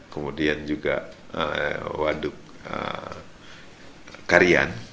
kemudian juga waduk karian